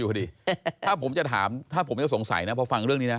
พี่บ๊วยผมสงสัยนะพอฟังเรื่องนี้นะ